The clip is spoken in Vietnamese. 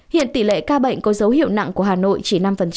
hiện tỷ lệ ca bệnh có dấu hiệu nặng của hà nội chỉ năm